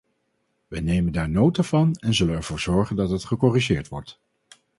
Wij nemen daar nota van en zullen ervoor zorgen dat het gecorrigeerd wordt.